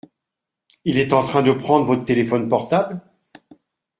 Il est en train de prendre votre téléphone portable ?